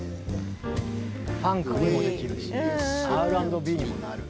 ファンクにもできるしＲ＆Ｂにもなる。